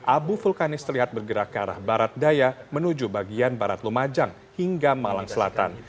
abu vulkanis terlihat bergerak ke arah barat daya menuju bagian barat lumajang hingga malang selatan